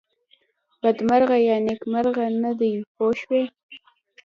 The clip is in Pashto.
بدمرغه یا نېکمرغه نه دی پوه شوې!.